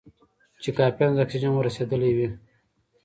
چې کافي اندازه اکسیجن ور رسېدلی وي.